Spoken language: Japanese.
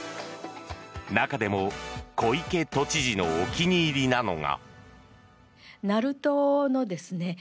中でも、小池都知事のお気に入りなのが。